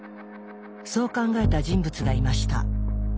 そう考えた人物がいました。